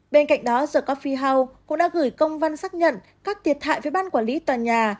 bên cạnh đó the coffee house cũng đã gửi công văn xác nhận các tiệt hại với bán quản lý tòa nhà